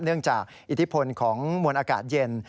เนื่องจากอิทธิพลของมวลอากาศเย็น